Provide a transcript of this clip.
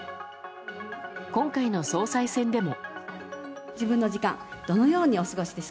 今回の総裁選でも。